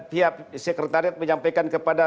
pihak sekretariat menyampaikan kepada